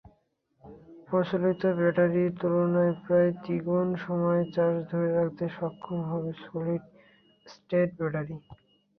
প্রচলিত ব্যাটারির তুলনায় প্রায় দ্বিগুণ সময় চার্জ ধরে রাখতে সক্ষম হবে সলিড-স্টেট ব্যাটারি।